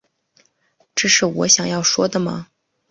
这是我想要说的吗